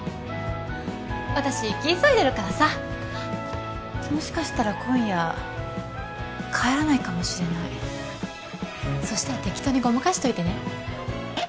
私生き急いでるからさもしかしたら今夜帰らないかもしれないそしたらテキトーにごまかしといてね